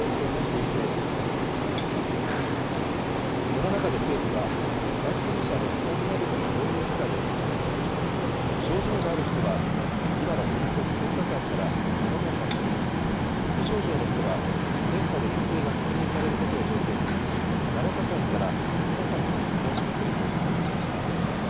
この中で政府は、感染者の自宅などでの療養期間について、症状がある人は今の原則１０日間から７日間に、無症状の人は検査で陰性が確認されることを条件に、７日間から５日間に短縮すると説明しました。